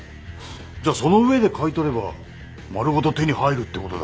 じゃあその上で買い取れば丸ごと手に入るってことだ。